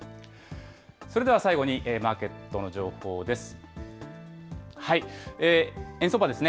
それでは最後にマーケットの情報です。